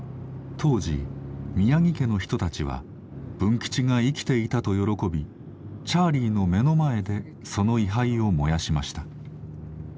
当時宮城家の人たちは文吉が生きていたと喜びチャーリーの目の前でその位牌を燃やしました。